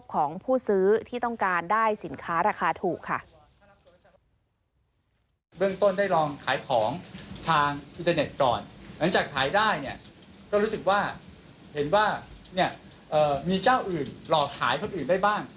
ของผู้ซื้อที่ต้องการได้สินค้าราคาถูกค่ะ